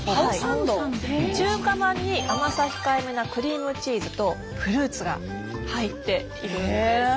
中華まんに甘さ控えめなクリームチーズとフルーツが入っているんです。